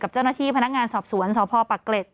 เจ้าหน้าที่พนักงานสอบสวนสพปักเกร็ด